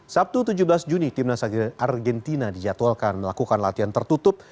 sabtu tujuh belas juni timnas argentina dijadwalkan melakukan latihan tertutup